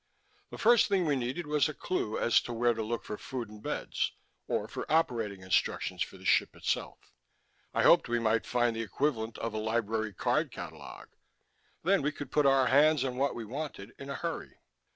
The first thing we needed was a clue as to where to look for food and beds, or for operating instructions for the ship itself. I hoped we might find the equivalent of a library card catalog; then we could put our hands on what we wanted in a hurry.